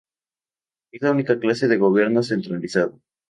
Es la única clase de gobierno centralizado.